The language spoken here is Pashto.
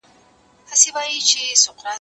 زه به سبا د نوي لغتونو يادوم،